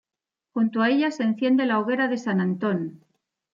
Junto a ella se enciende la hoguera de San Antón.